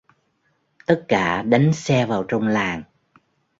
Tất cả đánh xe vào trong làng